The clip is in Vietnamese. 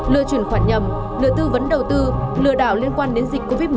lừa chuyển khoản nhầm lừa tư vấn đầu tư lừa đảo liên quan đến dịch covid một mươi chín